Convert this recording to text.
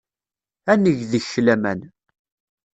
Ad neg deg-k laman.